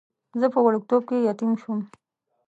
زه په وړکتوب کې یتیم شوم.